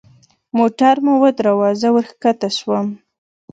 موټر مو ودراوه زه وركښته سوم.